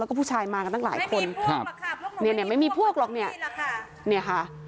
แล้วก็ผู้ชายมากันตั้งหลายคนไม่มีพวกหรอกค่ะ